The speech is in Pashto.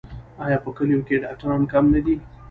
آیا په کلیو کې ډاکټران کم نه دي؟